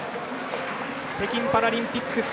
北京パラリンピック